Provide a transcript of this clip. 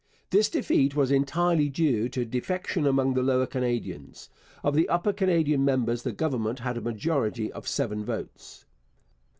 This defeat was entirely due to defection among the Lower Canadians. Of the Upper Canadian members the Government had a majority of seven votes.